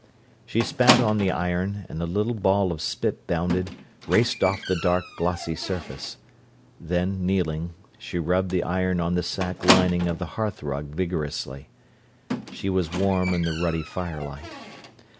She spat on the iron, and a little ball of spit bounded, raced off the dark, glossy surface. Then, kneeling, she rubbed the iron on the sack lining of the hearthrug vigorously. She was warm in the ruddy firelight.